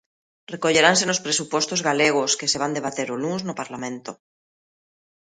Recolleranse nos presupostos galegos, que se van debater o luns no Parlamento.